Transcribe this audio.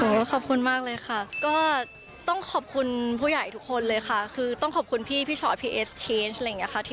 ขอบคุณมากเลยค่ะก็ต้องขอบคุณผู้ใหญ่ทุกคนเลยค่ะคือต้องขอบคุณพี่พี่ชอตพี่เอสทีนสอะไรอย่างนี้ค่ะ